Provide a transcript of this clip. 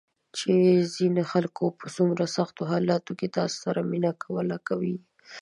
چې ځینو خلکو په څومره سختو حالاتو کې تاسو سره مینه کوله، کوي یې ~